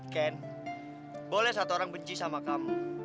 ken boleh satu orang benci sama kamu